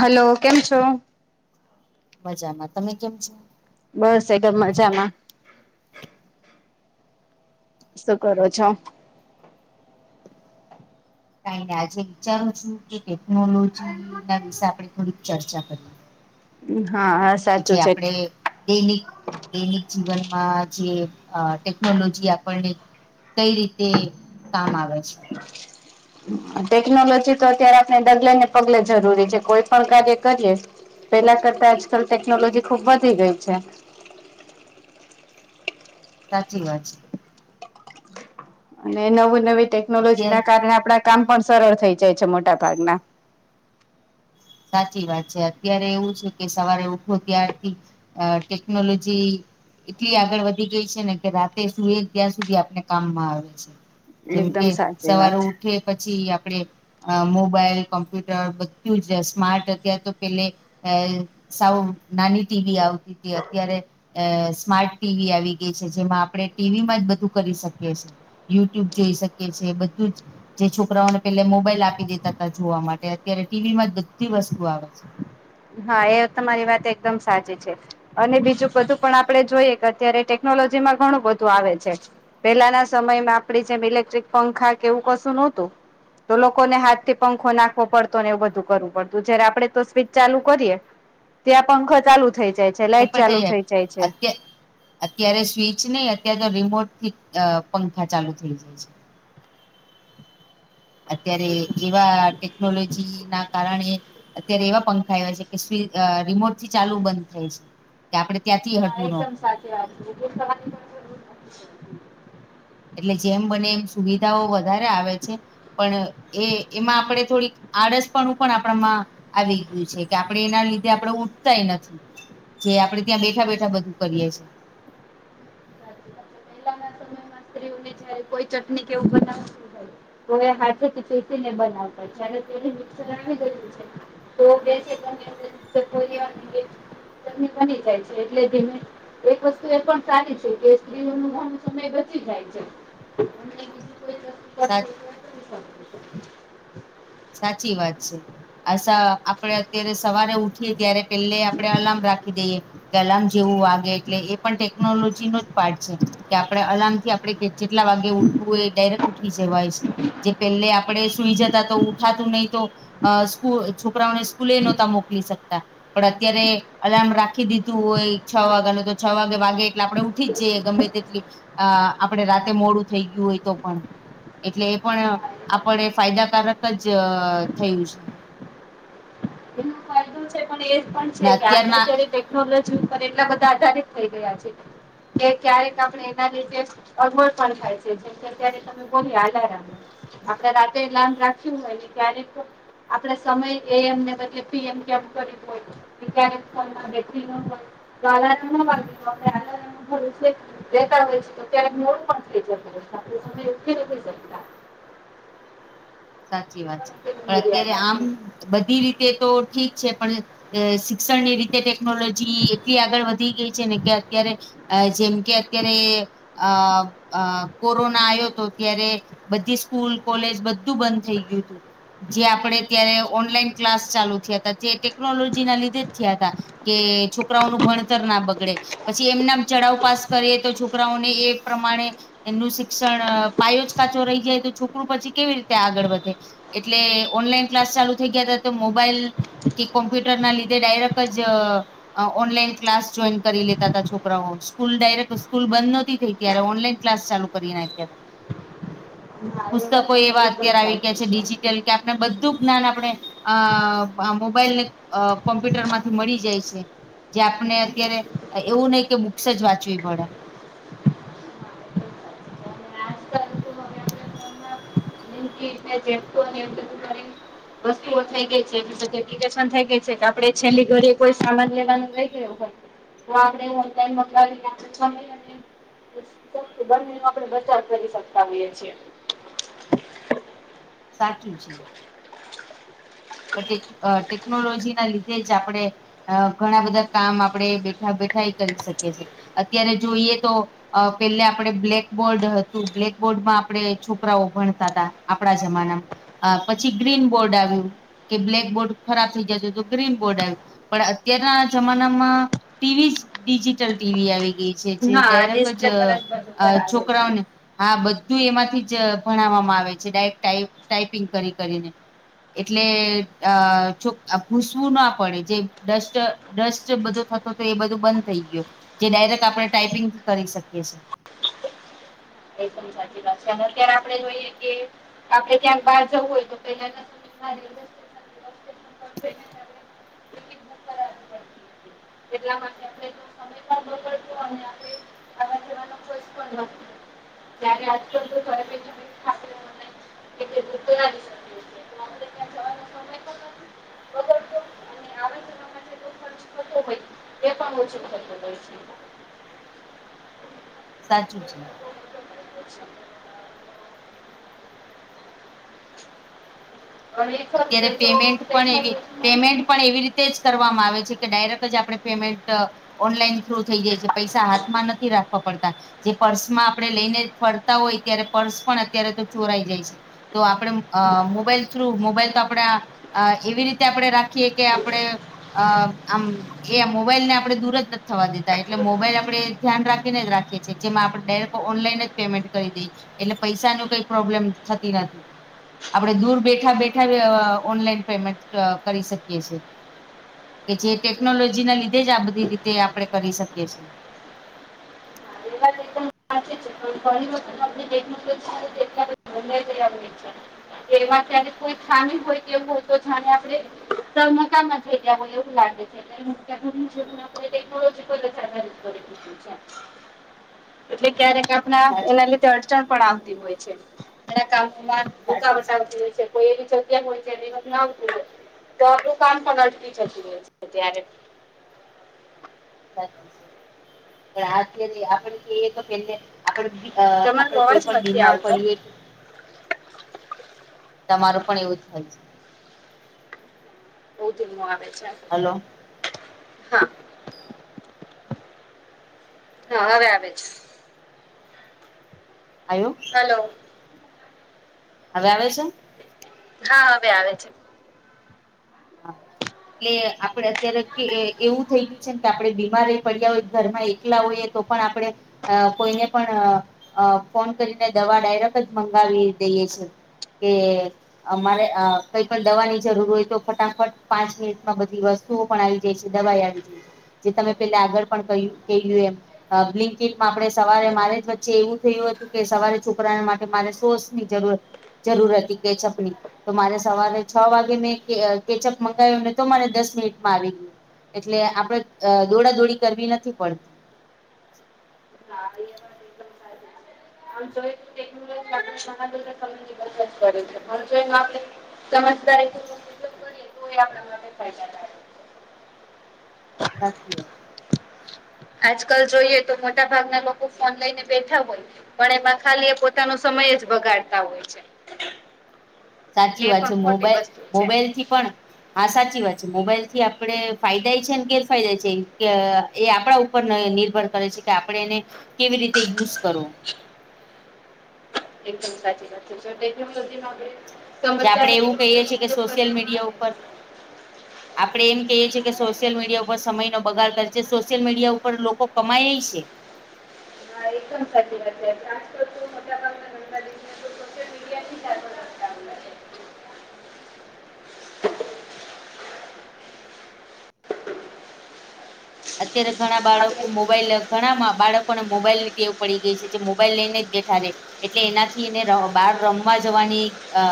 Hello, કેમ છો? મજામાં. તમે કેમ છો? બસ એકદમ મજામાં. શું કરો છો? કાયનય આજે વિચારું છું કે ટેકનોલોજી ના વિશે આપણે થોડીક ચર્ચા કરીએ. હમ હા હાસ કે જે આપડે. દૈનિક દૈનિક જીવનમાં જે ટેકનોલોજી આપણને કઈ રીતે કામ આવે છે? ટેકનોલોજી તો અત્યારે આપણે ડગલે ને પગલે જરૂરી છે, કોઈ પણ કાર્ય કરીએ પેલા કરતા આજકલ ટેકનોલોજી ખુબ વધી ગઈ છે. સાચી વાત છે. અને નવું નવી ટેકનોલોજી અત્યાર ના કારણે આપણા કામ પણ સરળ થઈ જાય છે, મોટા ભાગના. સાચી વાત છે, અત્યારે એવું છે કે સવારે ઉઠો ત્યારથી અ ટેકનોલોજી એટલી આગળ વધી ગઈ છે ને કે રાતે સુઈ ત્યાં સુધી આપને કામમાં આવે છે. જેમ કે એકદમ સાચી સવારે વાત ઉ કે પછી આપડે મોબાઈલ કોમ્પ્યુટર બધુજ રહેશે. સ્માર્ટ અત્યારે તો પેલે સાવ નાની ટીવી આવતી હતી. અત્યારે અ સ્માર્ટ ટીવી આવી ગઈ છે, જેમાં આપડણે ટીવી માં જ બધું કરી શકીએ છીએ. યુટ્યુબ જોઈ શકીએ છે. બધું જ. જે છોકરાઓને પેલા મોબાઈલ આપી દેતા હતા જોવા માટે અત્યારે ટીવી માં બધી વસ્તુ આવે છે. હા, એ તમારી વાત એકદમ સાચી છે. અને બીજું બધું પણ આપડે જોઈએ કે અત્યારે ટેકનોલોજી માં ઘણું બધું આવે છે. પેલાના સમયમાં આપડી જેમ, ઇલેક્ટ્રિક પંખા કે એવું કશું નહોતું. તો લોકોને હાથ થી પંખો નાખવો પડતો ને એવું બધું કરવું પડતું જયારે આપડે તો સ્વીચ ચાલુ કરીએે ત્યાં પંખો ચાલુ થઇ જાય છે. તો લાઈટ પણ ચાલુ થઈ થઇ જાય છે. અત્ય અત્યારે સ્વિચ નહી, અત્યારે તો રિમોટથી અ પંખા ચાલુ થઇ જાય છે. અત્યારે એવા ટેકનોલોજી ના કારણે. અત્યારે એવા પંખા આવ્યા છે, કે સ્વી રિમોટ થી ચાલુ બંધ થાય છે. આપડે ત્યાંથી હટવું ન પડે. સાચી વાત તમારી [inaudible] એટલે જેમ બને એમ સુવિધાઓ વધારે આવે છે, પણ એ એમાં આપણે થોડીક આળસપણું પણ આપણામાં આવી ગયું છે, કે આપણે એના લીધે આપડે ઉઠ ઉઠતા ય નથી જે આપડે ત્યાં બેઠા બેઠા બધું કરીએ છીએ. પહેલા ના સમયમાં સ્ત્રીઓનેજયારે કોઈ ચટણી કે એવું બનાવુંહોય તો એ હાથેથી પીસી ને બનાવતા જ્યારે અત્યારે મિક્સર આવી ગયું છે. તો બે સેકન્ડ ની અંદર [unintelligible] ચટની બની જાય છે. એટલે ધીમે એક વસ્તુ એ પણ સારી છે કે સ્ત્રી ઓ નો ઘણો સમય બચી જાય છે. સાચી સાચી વાત છે. અચ્છા આપડે અત્યારે સવારે ઉઠીએ ત્યારે પેલે આપણે અલાર્મ રાખી દઈએ. એલાર્મ જેવું વાગે એટલે એ પણ ટેકનોલોજી નો જ પાર્ટ છે. કે આપણે અલારમ થી આપણે જેટલા વાગે ઉઠવું હોય એ ડાયરેક્ટ ઉઠી જવાય છે. જે પેલે આપણેે સુઈ જતા તો ઉઠાતું નહી તો સ્કૂલ છોકરાઓને સ્કૂલે નહોતા મોકલી શકતા. પણ અત્યારે અલાર્મ રાખી દીધું હોય છ વાગ્યા નો તો છ વાગે વાગે એટલે આપડે ઉઠી જ જઇએ ગમે તેટલી આપણેે રાતે મોડું થઈ ગયું હોય તો પણ એટલે એ પણ આપણે ફાયદાકારક જ થયું છે. એનો ફાયદો છે. પણ એ પણ ને છે કે આપણે અત્યારના અત્યારે ટેકનોલોજી ઉપર એટલા બધા આધારિત થઈ ગયા છે. કે ક્યારેક આપણે એના લીધે અગવડ પણ થાય છે બોલી હાલ રા આપડે રાખ્યું હો એ ક્યારેક [unintelligible] આપડે સમય એએમ ને બદલે પીએમ કેમ કર્યુ હોય [unintelligible] [unintelligible] [unintelligible] સાચી વાત છે પણ અત્યારે આમ બધી રીતે તો ઠીક છે પણ શિક્ષણની રીતે ટેકનોલોજી એટલી આગળ વધી ગઈ છે ને કે અત્યારે જેમ કે અત્યારે કોરોના આવ્યો તો ત્યારે બધી સ્કૂલ, કોલેજ બધું બંધ થઈ ગયું હતું. જે આપણે ત્યારે ઓનલાઈન ક્લાસ ચાલુ થયા હતા જે ટેકનોલોજી ના લીધે જ થયા હતા. કે છોકરાઓ નું ભણતર ના બગડે પછી એમનમ ચડાવ પાસ કરીએ તો છોકરાઓને એ પ્રમાણે એમનું શિક્ષણ પાયો જ કાચો રહી જાય તો છોકરું પછી કેવી રીતે આગળ વધે એટલે ઓનલાઈન ક્લાસ ચાલુ થઈ ગયા હતા તો મોબાઈલ કે કોમ્પ્યુટર ના લીધે ડાયરેક્ટ જ ઓનલાઈન ક્લાસ જોઈન કરી લેતા હતા છોકરાઓ સ્કૂલ ડાયરેક્ટ સ્કૂલ બંધ નહોતી થઈ ત્યારે ઓનલાઈન ક્લાસ ચાલુ કરી નાખ્યા પુસ્તકો એવા અત્યારે આવી ગયા છે ડિજિટલ કે આપણે બધું જ્ઞાન આપણે હા મોબાઈલ ને કોમ્પ્યુટર માંથી મળી જાય છે. જે આપણે અત્યારે એવું નહિ કે બુક્સ જ વાંચવી પડે [unintelligible] વસ્તુઓ થઈ ગઈ છે કે એપ્લિકેશન થઈ ગઈ છે કે આપડે છેલ્લી ઘરે કોઈ સામાન લેવાનું થઈ ગયો હોય [unintelligible] બંને નો આપણે બચાવ કરી શકતા હોઈએ છીએ. સાચું છે. પછી ટેકનોલોજી ના લીધે જ આપણે ઘણા બધા કામ આપણે બેઠા બેઠા કરી શકીએ છીએ, અત્યારે જોઈએ તો પેલા આપડે બ્લેક બોર્ડ હતું બ્લેક બોર્ડ માં આપણે છોકરાઓ ભણતા હતા આપણા જમાનામાં આ પછી ગ્રીન બોર્ડ આવ્યું કે બ્લેક બોર્ડ ખરાબ થઇ જાતુ તો ગ્રીન બોર્ડ આવ્યું પણ અત્યારના જમાનામાં ટીવી જ ડિજિટલ ટીવી આવી ગઈ છે જે ડાયરેક્ટ જ છોકરાઓને હા બધું એમાંથી જ ભણાવવામાં આવે છે ટાઈપિંગ કરી કરીને એટલે જો ભૂસવું ના પડે જે ડસ્ટર જે ડસ્ટ બધો હવે એ બધું બંધ થઈ ગયું જે ડાયરેક્ટ આપણે ટાઈપિંગથી કરી શકી છીએ. એ સાચી વાત છે અને અત્યારે આપણે જોઈએ કે આપડે ત્યાંક બહાર જવું હોય તો પેલા હારે [inaudible] એટલા માટે અમને સમય પણ ન પડતો અને આપણે [unintelligible] [unintelligible] [unintelligible] [unintelligible] સાચું છે. [inaudible] અત્યારે પેમેન્ટ પણ એવી પેમેન્ટ પણ એવી રીતે જ કરવામાં આવે છે કે ડાયરેક્ટ જ આપણે પેમેન્ટ ઓનલાઈન થ્રુ થઈ જાય છે પૈસા હાથમાં નથી રાખવા પડતા. જે પર્સમાં આપણે લઈને ફરતા હોય ત્યારે પર્સ પણ અત્યારે તો ચોરાઈ જાય છે. તો આપણે અ મોબાઈલ થ્રુ મો મોબાઈલ તો આપણે એવી રીતે આપડણે રાખીએ કે આપડે અ આમ એ મોબાઈલ ને આપડણે દૂર જ નથી થવા દેતા એટલે મોબાઈલ આપડે ધ્યાન રાખીને જ રાખીએ છીએ જેમાં આપડે ઓનલાઈન જ પેમેન્ટ કરી દઈ એટલે પૈસા નું કઈ પ્રોબ્લેમ થતી નથી. આપણેે દૂર બેઠા બેઠા ઓનલાઈન પેમેન્ટ કરી શકીએ છે. કે જે ટેકનોલોજી ના લીધે જ આ બધી રીતે આપણે કરી શકીએ છે. [inaudible] [inaudible] એમાં ત્યારે કોઈ ખામી હોય [inaudible] આપડે [inaudible] હોય એવું લાગે છે. [inaudible] એટલે ક્યારેક આપણા સાચું એના લીધે અડચણ પણ આવતી હોય છે એના કામમાં સાચું છે રુકાવટ આવતી હોય છે. કોઈ એવી જગ્યા હોઈ જ્યાં નેટવર્ક ના આવતું હોય તો આપણું કામ પણ અટકી જતું હોય છે ત્યારે. [unintelligible] [unintelligible] આપણે કહીએ તો પેલે આપણે તમારો કોઈ અવાજ પણ નથી બીમાર આવતો પડીએ તમારું પણ એવું જ થાય છે. બહુ ધીમો આવે છે. હલો. હા હવે આવે છે. આયો. હલો. હવે આવે છે. હા હવે આવે છે. હા. એટલે આપડે અત્યારે એવું થઈ ગયું છે ને કે આપડે બીમાર પડ્યા હોય ઘરમાં એકલા હોઈએ તો પણ આપણે અ કોઈને પણ ફોન કરીને દવા ડાયરેક્ટ જ મંગાવી દઈએ છે. કે અમારે કઈ પણ દવાની જરૂર હોય તો ફટાફટ પાંચ મિનિટમાં બધી વસ્તુઓ પણ આવી જાય છે દવાઈ આવી જાય છે. જે તમે પેલા આગળ પણ કહ્યું કહ્યું એમ. બ્લીન્કીટ માં આપણે સવારે મારે જ વચ્ચે એવું થયું હતું કે સવારે છોકરા માટે મારે સોસની જરૂરત જરૂર હતી કેચઅપની તો મારે સવારે છ વાગે મેં કે કેચઅપ મંગાયું ને તો મારે દસ મિનિટમાં આવી ગયું. એટલે આપડે દોડાદોડી કરવી નથી પડતી. હા એ વાત એકદમ સાચી છે. આમ જોઈએ તો ટેકનોલોજી [inaudible] સમજદારી પૂર્વક ઉપયોગ કરીએ કરીે તો એ આપણા માટે ફાયદા કારક સાચી વાત. આજકાલ જોઈએ તો મોટા ભાગના લોકો ફોન લઈને બેઠા હોય પણ એમાં ખાલી એ પોતાનો સમય જ બગાડતા હોય છે. સાચી વાત છે મોબાઈલ મોબાઈલ થી પણ હા સાચી વાત છે, મોબાઈલ થી આપડે ફાયદાય છે અને ગેરફાયદાય છે ક એ આપડા ઉપર નિર્ભર કરે છે કે આપડે એને કેવી રીતે યુઝ કરવુ એકદમ સાચી વાત છે [inaudible] જે આપડે એવું કહીએ છીએ કે સોશિયલ મીડિયા ઉપર આપડે એમ કહીએ છીએ કે સોશિયલ મીડિયા ઉપર સમય નો બગાડ કરે છે સોશિયલ મીડિયા ઉપર લોકો કમાયેય છે. હા એકદમ સાચી વાત છે. [inaudible] અત્યારે ઘણા બાળકો મોબાઈલ ઘણામાં બાળકોને મોબાઈલ ની ટેવ પડી ગઈ છે, જે મોબાઈલ લઈને જ બેઠા રે એટલે એનાથી ર એને બાર રમવા જવાની અ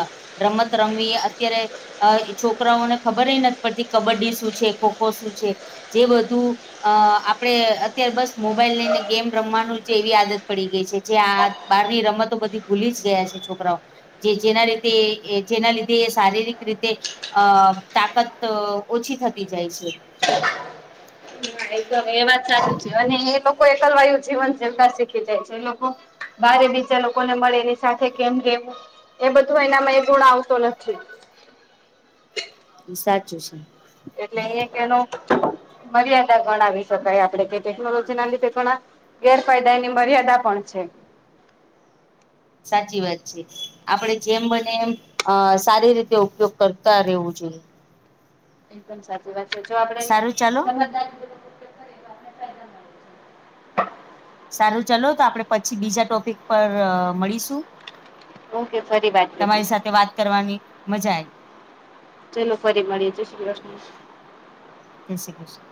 રમત રમવી અત્યારે અ છોકરાઓને ખબરેય નથ પડતી કબડ્ડી શું છે ખોખો શું છે જે બધું અ આપડે અત્યારે બસ મોબાઈલ લઈને ગેમ રમવાનું જે એવી આદત પડી ગઈ છે જે આ બારની રમતો બધી ભૂલી જ ગયા છે છોકરાઓ જે જેના રીતે એ જેના લીધે એ શારીરિક રીતે અ તાકત ઓછી થતી જાય છે. હા એ વાત સાચી છે અને એ લોકો એકલવાયું જીવન જીવતા શીખી જાય છે એ લોકો બારે બીજા લોકોને મળે એની સાથે કેમ કેમ એ બધું એનામાં એ ગુણ આવતો નથી. સાચું છે. એટલે એક એનો મર્યાદા ગણાવી શકાય આપડે કે ટેકનોલોજીના લીધે ઘણા ગેરફાયદા એની મર્યાદા પણ છે. સાચી વાત છે આપડે જેમ બને એમ. અ સારી રીતે ઉપયોગ કરતા રેવું જોઈએ. એકદમ સાચી વાત છે જો આપડે એનુ સારું ચાલો સમજદારીપૂર્વક સારું ચાલો તો આપડે પછી બીજા ટોપિક પર મળીશું. ઓકે ફરી વાત કરીએ તમારી સાથે વાત કરવાની મજા આય ચલો ફરી મળીએ જે શ્રી ક્રષ્ણ. જે શ્રી ક્રષ્ણ